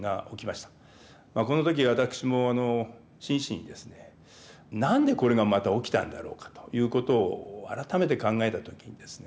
この時私も真摯にですね何でこれがまた起きたんだろうかということを改めて考えた時にですね